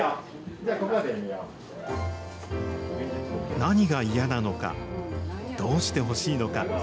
何が嫌なのか、どうしてほしいのか。